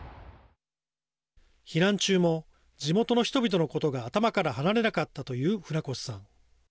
避難中も地元の人々のことが頭から離れなかったという船越さん。